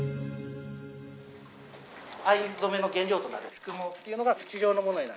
藍染めの原料となるすくもっていうのが土状のものになる。